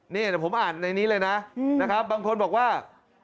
นี่แต่ผมอ่านในนี้เลยนะบางคนบอกว่า